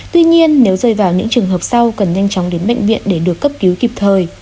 tuy nhiên nếu rơi vào những trường hợp sau cần nhanh chóng đến bệnh viện để được cấp cứu kịp thời